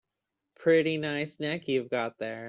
Pretty nice neck you've got there.